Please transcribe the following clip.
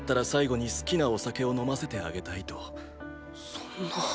そんな！